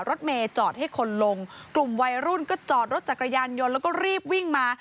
รถเมย์จอดให้คนลงกลุ่มวัยรุ่นก็จอดรถจักรยานยนต์แล้วก็รีบวิ่งมา